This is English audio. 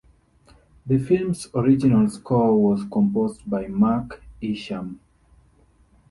The film's original score was composed by Mark Isham.